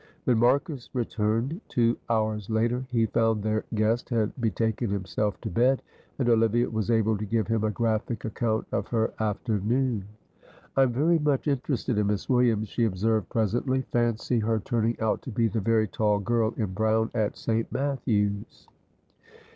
When Marcus returned two hours later, he found their guest had betaken himself to bed, and Olivia was able to give him a graphic account of her afternoon. "I am very much interested in Miss Williams," she observed presently; "fancy her turning out to be the very tall girl in brown at St. Matthew's."